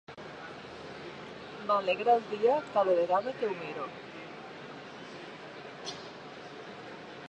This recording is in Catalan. M'alegra el dia cada vegada que ho miro.